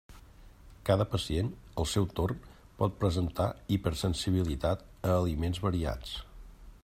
Cada pacient, al seu torn, pot presentar hipersensibilitat a aliments variats.